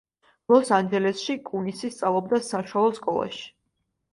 ლოს-ანჟელესში კუნისი სწავლობდა საშუალო სკოლაში.